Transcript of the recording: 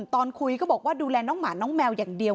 ตอนคุยก็บอกว่าดูแลน้องหมาน้องแมวอย่างเดียว